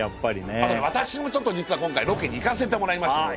あとね私もちょっと実は今回ロケに行かせてもらいましたので。